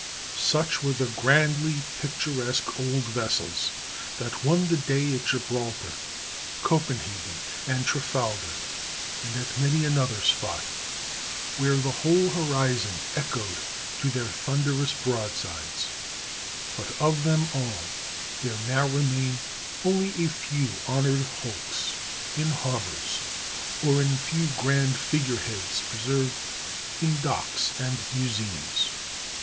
Such were the grandly picturesque old vessels that won the day at Gibraltar, Copenhagen, and Trafalgar, and at many another spot where the whole horizon echoed to their thunderous broadsides; but of them all there now remain only a few honored hulks in harbors, or a few grand figureheads preserved in docks and museums.